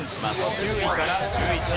９位から１１位。